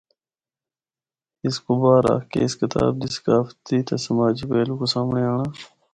اس کو باہر رکھ کہ اس کتاب دی ثقافتی تے سماجی پہلو کو سامنڑے آنڑاں۔